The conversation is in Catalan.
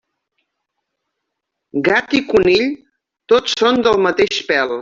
Gat i conill, tots són del mateix pèl.